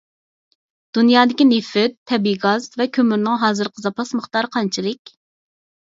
دۇنيادىكى نېفىت، تەبىئىي گاز ۋە كۆمۈرنىڭ ھازىرقى زاپاس مىقدارى قانچىلىك؟